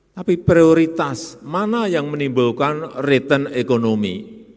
tapi prioritas mana yang menimbulkan return ekonomi